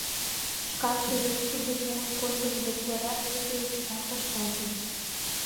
Шкат шижеш: Тудым муын кондымо деч вара илышыже чотак вашталте.